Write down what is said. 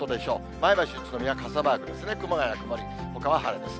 前橋、宇都宮は傘マークですね、熊谷曇り、ほかは晴れます。